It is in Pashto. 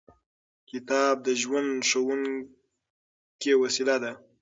کتاب د ژوند ښوونکې وسیله ده.